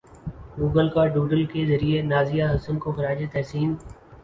Google کا ڈوڈل کے ذریعے نازیہ حسن کو خراج تحسین